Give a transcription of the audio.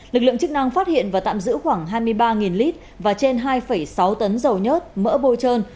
lực lượng chức năng phát hiện và tạm giữ khoảng hai mươi ba lít và trên hai sáu tấn dầu nhớt mỡ bôi trơn